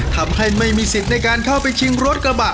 ทำให้ไม่มีสิทธิ์ในการเข้าไปชิงรถกระบะ